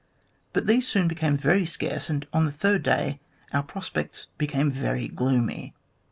But these soon became very scarce, and on the third day our prospects became very gloomy.